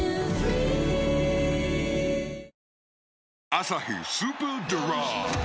「アサヒスーパードライ」